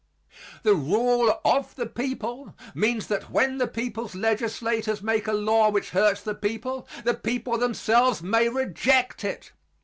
The rule of the people means that when the people's legislators make a law which hurts the people, the people themselves may reject it.